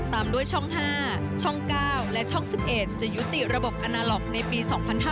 ตามด้วยช่อง๕ช่อง๙และช่อง๑๑จะยุติระบบอนาล็อกในปี๒๕๕๙